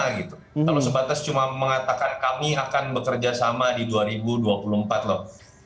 kalau sebatas cuma mengatakan kami akan bekerja sama di dua ribu dua puluh empat loh